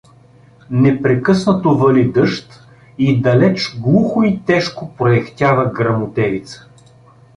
Непрекъснато вали дъжд и далеч глухо и тежко проехтява гръмотевица.